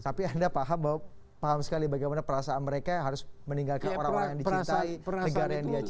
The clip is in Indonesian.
tapi anda paham bahwa paham sekali bagaimana perasaan mereka yang harus meninggalkan orang orang yang dicintai negara yang dia cintai